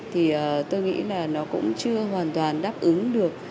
thì tôi nghĩ là nó cũng chưa hoàn toàn đáp ứng được